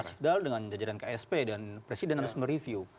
mas fidal dengan jajaran ksp dan presiden harus mereview